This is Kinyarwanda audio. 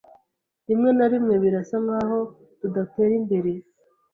Rimwe na rimwe birasa nkaho tudatera imbere.